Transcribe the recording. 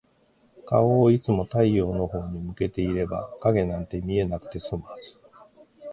顔をいつも太陽のほうに向けていれば、影なんて見なくて済むはず。